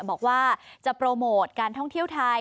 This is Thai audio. บอกว่าจะโปรโมทการท่องเที่ยวไทย